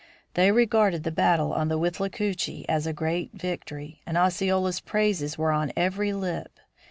They regarded the battle on the Withlacoochee as a great victory, and Osceola's praises were on every lip.